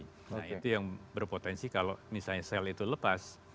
nah itu yang berpotensi kalau misalnya sel itu lepas